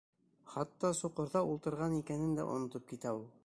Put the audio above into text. Хатта соҡорҙа ултырған икәнен дә онотоп китә ул.